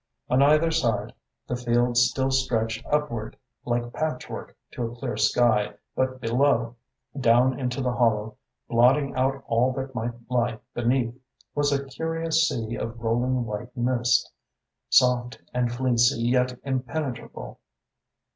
On either side, the fields still stretched upward like patchwork to a clear sky, but below, down into the hollow, blotting out all that might lie beneath, was a curious sea of rolling white mist, soft and fleecy yet impenetrable.